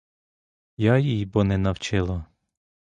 Я їй-бо не вчила!